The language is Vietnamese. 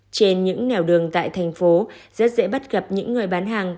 trên những nẻo đường tại thành phố rất dễ bắt gặp những người bán hàng